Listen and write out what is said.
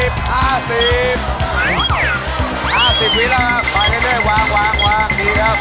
๕๐พีทแล้วครับคอยกันด้วยวางวางวางดีครับ